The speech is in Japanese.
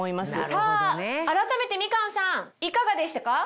さぁ改めてみかんさんいかがでしたか？